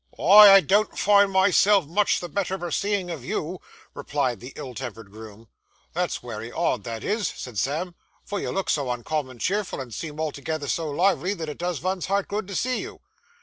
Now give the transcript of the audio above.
'Why, I don't find myself much the better for seeing of you,' replied the ill tempered groom. 'That's wery odd that is,' said Sam, 'for you look so uncommon cheerful, and seem altogether so lively, that it does vun's heart good to see you.